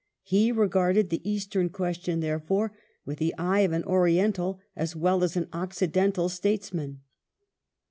He regarded the Eastern question, therefore, with the eye of an Oriental as well as of an Occidental Statesman.